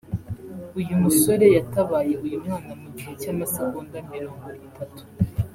uyu musore yatabaye uyu mwana mugihe cy’amasegonda mirongo itatu